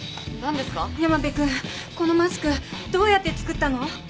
このマスクどうやって作ったの？